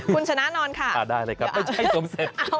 คุณชนะนอนค่ะอ่าได้เลยครับไม่ใช่สมเสร็จ